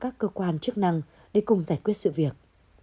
các cơ quan chức năng để cùng giải quyết sự việc